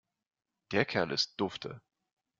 Der Kerl ist dufte.